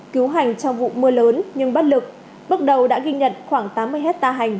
cứu hành trong vụ mưa lớn nhưng bất lực bước đầu đã ghi nhận khoảng tám mươi hectare hành